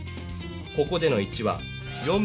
ここでの１は。